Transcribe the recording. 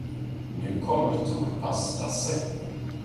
Nu kommer Torpar-Lasse.